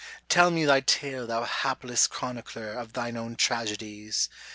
Tell me thy tale thou hapless chronicler Of thine own tragedies